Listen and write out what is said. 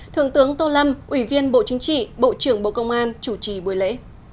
thượng tướng tô lâm ủy viên bộ chính trị bộ trưởng bộ công an chủ trì buổi lễ